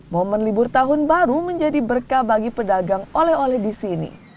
momen libur tahun baru menjadi berkah bagi pedagang oleh oleh di sini